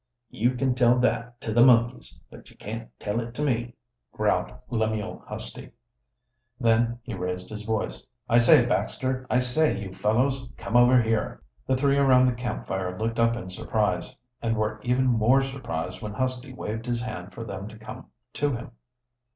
"You can tell that to the monkeys, but you can't tell it to me," growled Lemuel Husty. Then he raised his voice: "I say, Baxter! I say, you fellows! Come over here!" The three around the camp fire looked up in surprise, and were even more surprised when Husty waved his hand for them to come to him.